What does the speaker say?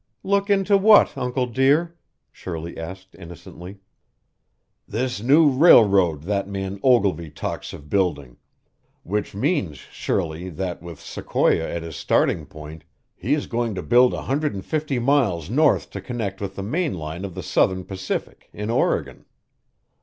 "Look into what, Uncle dear?" Shirley asked innocently. "This new railroad that man Ogilvy talks of building which means, Shirley, that with Sequoia as his starting point, he is going to build a hundred and fifty miles north to connect with the main line of the Southern Pacific in Oregon."